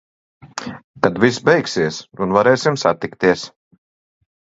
Kad viss beigsies un varēsim satikties.